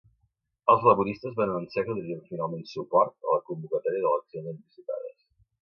Els laboristes van anunciar que donarien finalment suport a la convocatòria d’eleccions anticipades.